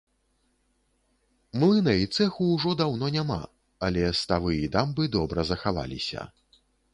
Млына і цэху ўжо даўно няма, але ставы і дамбы добра захаваліся.